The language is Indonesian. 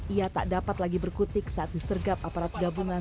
ia tak dapat lagi berkutik saat disergap aparat gabungan